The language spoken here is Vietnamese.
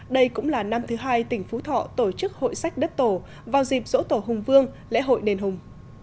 đây cũng là năm thứ hai tỉnh phú thọ tổ chức hội sách đất tổ vào dịp dỗ tổ hùng vương lễ hội đền hùng